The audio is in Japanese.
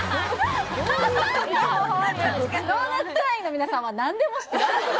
ドーナツ会員の皆さんは何でも知ってんの？